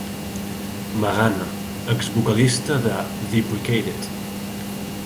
Magana, exvocalista de "Deprecated".